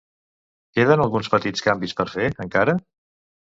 Queden alguns petits canvis per fer, encara?